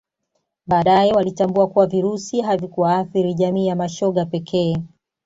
Baadae walitambua kuwa Virusi havikuwaathiri jamii ya mashoga pekee